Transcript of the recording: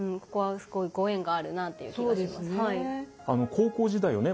高校時代をね